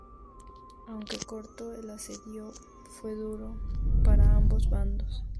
Aunque corto, el asedio fue duro para ambos bandos.